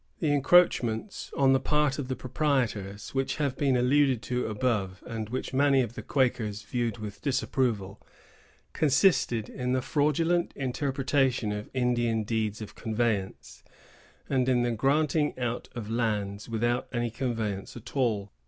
The encroachments on the part of the proprietors, which have been alluded to above, and which many of the Quakers viewed with disapproval, consisted in the fraudulent interpretation of Indian deeds of conveyance, and in the granting out of lands without any conveyance at all.